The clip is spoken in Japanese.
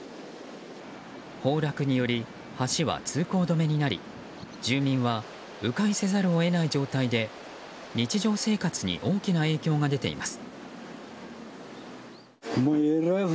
崩落により橋は通行止めになり住民は迂回せざるを得ない状態で日常生活に大きな影響が出ています。